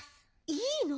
いいの？